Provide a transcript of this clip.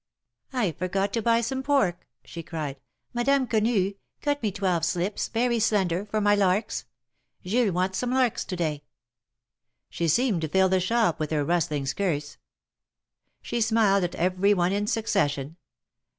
"I forgot to buy some pork," she cried. "Madame Quenu, cut me twelve slips, very slender, for my larks. Jules wants some larks to day." THE MARKETS OF PARIS. 95 She beemed to fill the shop with her rustling skirts. She smiled at every one in succession.